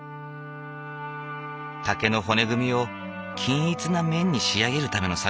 竹の骨組みを均一な面に仕上げるための作業。